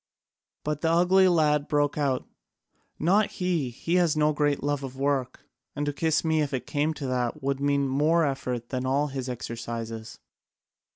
But the ugly lad broke out: "Not he! He has no great love for work. And to kiss me, if it came to that, would mean more effort than all his exercises."